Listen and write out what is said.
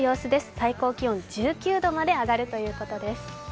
最高気温１９度まで上がるということです。